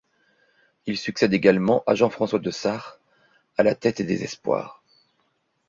Il succède également à Jean-François De Sart, à la tête des espoirs.